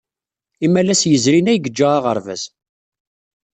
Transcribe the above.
Imalas yezrin ay yejja aɣerbaz.